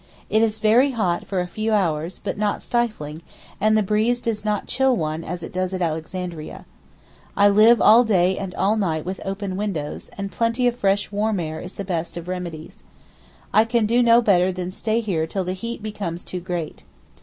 It is very hot for a few hours, but not stifling, and the breeze does not chill one as it does at Alexandria. I live all day and all night with open windows, and plenty of fresh warm air is the best of remedies. I can do no better than stay here till the heat becomes too great.